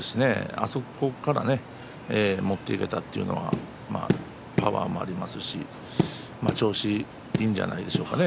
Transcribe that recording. あそこから持っていけたというのはパワーもありますし調子いいんじゃないでしょうかね